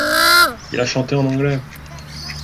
Il a chanté en anglais.